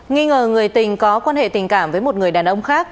nghi ngờ người tình có quan hệ tình cảm với một người đàn ông khác